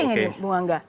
ini dipakai ya bu angga